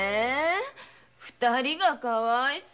二人がかわいそう。